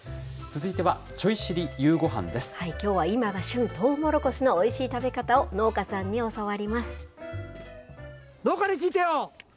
続いては、きょうは今が旬、とうもろこしのおいしい食べ方を農家さんに教わります。